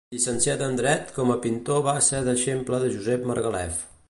Llicenciat en dret, com a pintor va ser deixeble de Josep Margalef.